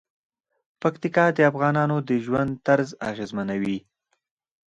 پکتیکا د افغانانو د ژوند طرز اغېزمنوي.